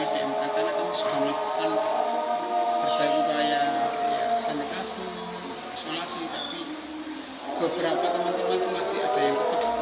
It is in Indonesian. ada upaya ya sanitasi isolasi tapi beberapa teman teman itu masih ada yang berpengalaman